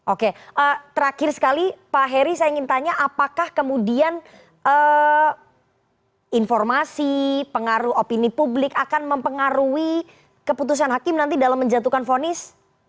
oke terakhir sekali pak heri saya ingin tanya apakah kemudian informasi pengaruh opini publik akan mempengaruhi keputusan hakim nanti dalam menjatuhkan fonis